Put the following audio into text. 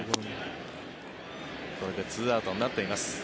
これで２アウトになっています。